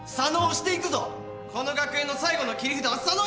この学園の最後の切り札は佐野泉だ！